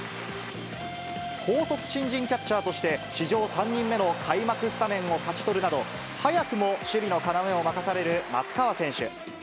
高卒新人キャッチャーとして史上３人目の開幕スタメンを勝ち取るなど、早くも守備の要を任される松川選手。